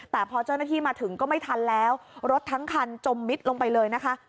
แต่พอเจ้าหน้าที่มาถึงก็ไม่ทันแล้วรถทั้งคันจมมิดลงไปเลยนะคะ